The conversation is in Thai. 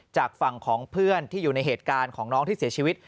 จากฝั่งของเพื่อนที่อยู่ในเหตุการณ์ของน้องที่เสียชีวิต